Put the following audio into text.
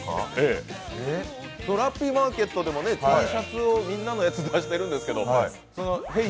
ラッピーマーケットでもＴシャツもみんなのやつ出しているんですけど、あの「ヘイ！